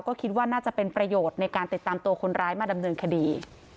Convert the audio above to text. ก็คิดว่าน่าจะเป็นประโยชน์ในการติดตามตัวคนร้ายมาดำเนินคดี